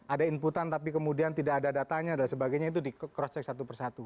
ada inputan tapi kemudian tidak ada datanya dan sebagainya itu di cross check satu persatu